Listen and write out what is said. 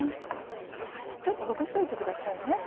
ちょっとほぐしといてくださいね。